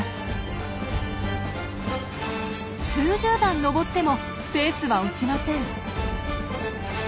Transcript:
数十段登ってもペースは落ちません。